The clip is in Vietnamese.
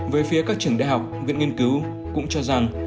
về phía các trường đại học viện nghiên cứu cũng cho rằng